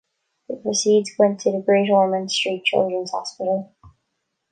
The proceeds went to The Great Ormond Street Children's Hospital.